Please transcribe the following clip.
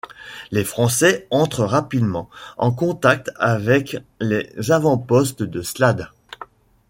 Les Français entrent rapidement en contact avec les avant-postes de Slade.